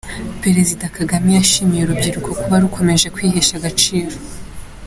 Perezida Kagame yashimiye urubyiruko kuba rukomeje kwihesha agaciro